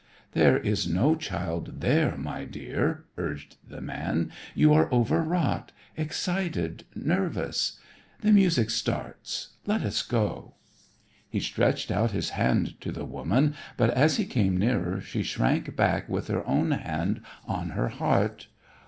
"There is no child there, my dear," urged the man; "you are overwrought, excited, nervous. The music starts. Let us go." He stretched out his hand to the woman, but as he came nearer she shrank back with her own hand on her heart.